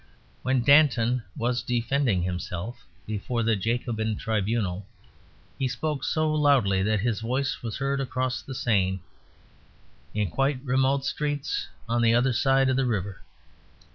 When Danton was defending himself before the Jacobin tribunal he spoke so loud that his voice was heard across the Seine, in quite remote streets on the other side of the river.